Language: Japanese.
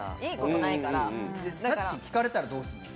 さっしー、聞かれたらどうするの？